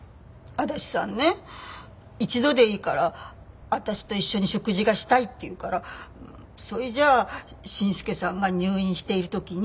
足立さんね一度でいいから私と一緒に食事がしたいって言うからそれじゃあ伸介さんが入院している時にって。